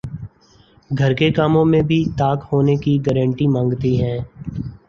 گھر کے کاموں میں بھی طاق ہونے کی گارنٹی مانگتی ہیں